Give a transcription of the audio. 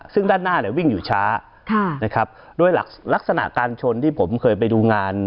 ซึ่งด้านหน้าเนี่ยวิ่งอยู่ช้านะครับด้วยหลักลักษณะการชนที่ผมเคยไปดูงาน